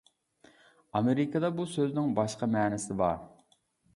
ئامېرىكىدا بۇ سۆزنىڭ باشقا مەنىسى بار.